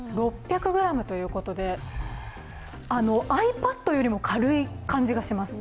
６００ｇということで、ｉＰａｄよりも軽い感じがします。